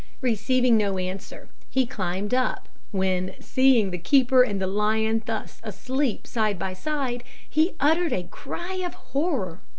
Receiving no answer, he climbed up, when, seeing the keeper and lion thus asleep side by side, he uttered a cry of horror.